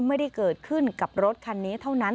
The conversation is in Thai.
ไม่ได้เกิดขึ้นกับรถคันนี้เท่านั้น